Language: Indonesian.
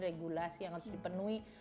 regulasi yang harus dipenuhi